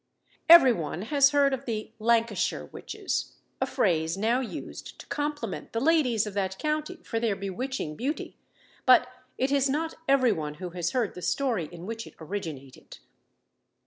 Every one has heard of the "Lancashire witches," a phrase now used to compliment the ladies of that county for their bewitching beauty; but it is not every one who has heard the story in which it originated.